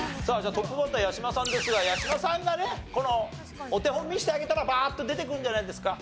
トップバッター八嶋さんですが八嶋さんがねお手本見せてあげたらバーッと出てくるんじゃないですか？